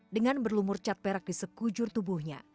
dengan berlumur cat perak di sekujur tubuhnya